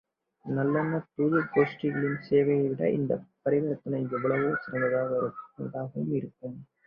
நல்லெண்ணத் தூது கோஷ்டிகளின் சேவையைவிட இந்தப் பரிவர்த்தனை எவ்வளவோ சிறந்ததாகவும் இருக்கும்.